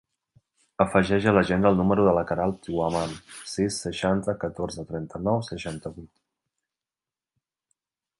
Afegeix a l'agenda el número de la Queralt Huaman: sis, seixanta, catorze, trenta-nou, seixanta-vuit.